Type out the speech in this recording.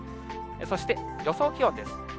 そして、予想気温です。